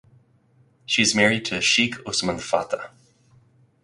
She is married to Sheikh Usman Fateh.